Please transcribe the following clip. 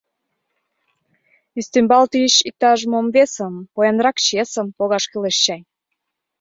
Ӱстембал тич иктаж-мом весым, поянрак чесым, погаш кӱлеш чай.